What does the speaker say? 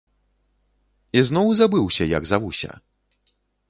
Ізноў забыўся, як завуся?